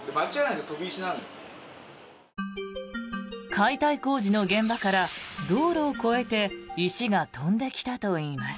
解体工事の現場から道路を越えて石が飛んできたといいます。